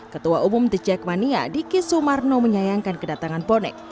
ketua umum the jackmania diki sumarno menyayangkan kedatangan bonek